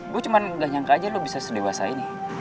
gue cuman gak nyangka aja lu bisa sedewasa ini